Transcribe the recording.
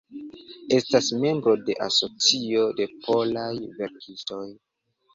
Estas membro de Asocio de Polaj Verkistoj.